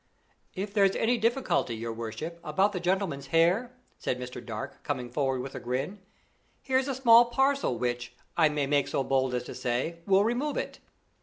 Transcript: "If there's any difficulty, your worship, about the gentleman's hair," said Mr. Dark, coming forward with a grin, "here's a small parcel which, I may make so bold as to say, will remove it."